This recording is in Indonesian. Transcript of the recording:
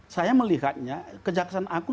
saya melihatnya kejaksaan agung